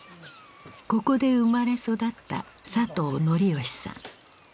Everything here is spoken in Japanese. ここで生まれ育った佐藤徳義さん。